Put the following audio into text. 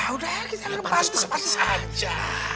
udah ya kita ngepas pas aja